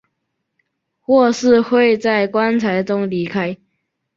或是会在棺材中离开。